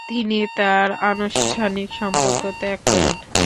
তিনি তার "আনুষ্ঠানিক" সম্পর্ক ত্যাগ করেন।